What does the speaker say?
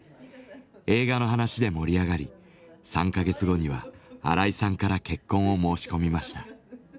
映画の話で盛り上がり３か月後には荒井さんから結婚を申し込みました。